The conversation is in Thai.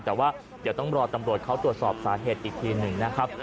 แต่ว่าเดี๋ยวต้องรอตำรวจเขาตรวจสอบสาเหตุอีกทีหนึ่งนะครับ